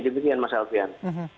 demikian mas alfian